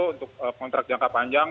untuk kontrak jangka panjang